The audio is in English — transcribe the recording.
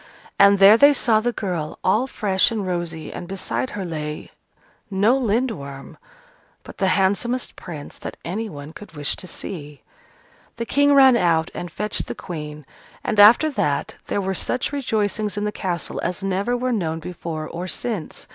And there they saw the girl, all fresh and rosy, and beside her lay no Lindworm, but the handsomest prince that any one could wish to see. The King ran out and fetched the Queen: and after that, there were such rejoicings in the castle as never were known before or since.